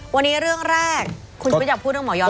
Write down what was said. วันนี้เรื่องแรกคุณชุวิตอยากพูดเรื่องหมอย้อน